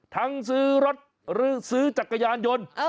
ซื้อรถหรือซื้อจักรยานยนต์